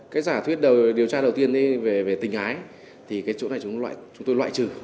cái giả thuyết điều tra đầu tiên về tình ái thì cái chỗ này chúng tôi loại trừ